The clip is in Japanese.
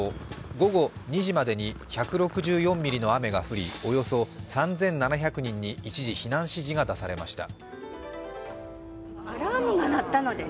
午後２時までに１６４ミリの雨が降りおよそ３７００人に一時、避難指示が出されました。